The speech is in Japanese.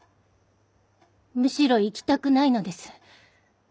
むしろ行きたくないのです。